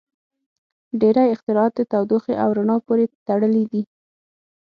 • ډیری اختراعات د تودوخې او رڼا پورې تړلي دي.